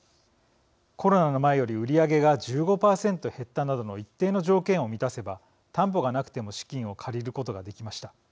コロナの前より売り上げが１５％減ったなどの一定の条件を満たせば担保がなくても資金を借りることができました。